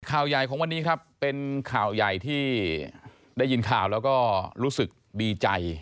ข่าวใหญ่ของวันนี้ครับเป็นข่าวใหญ่ที่ได้ยินข่าวแล้วก็รู้สึกดีใจ